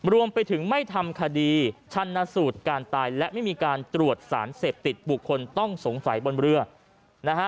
รวมไปถึงไม่ทำคดีชันสูตรการตายและไม่มีการตรวจสารเสพติดบุคคลต้องสงสัยบนเรือนะฮะ